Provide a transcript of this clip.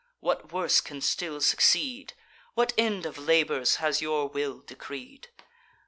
What worse can still succeed? What end of labours has your will decreed?